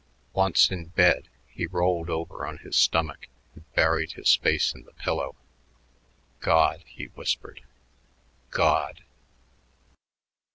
Once in bed, he rolled over on his stomach and buried his face in the pillow. "God!" he whispered. "God!"